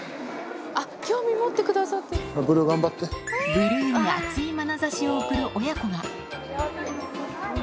ブルーに熱いまなざしを送る親子が。